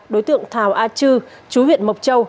đối tượng thảo a chư chú huyện mộc châu